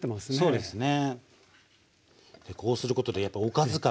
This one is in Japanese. そうですね。